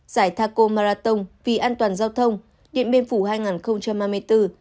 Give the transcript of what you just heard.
giải thaco marathon vì an toàn giao thông điện biên phủ hai nghìn hai mươi bốn